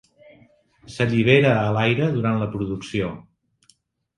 S'allibera a l'aire durant la producció.